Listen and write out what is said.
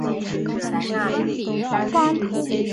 嘉靖十七年授直隶丹徒县知县。